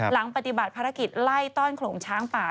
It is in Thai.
หลังปฏิบัติภารกิจไล่ต้อนโขลงช้างป่า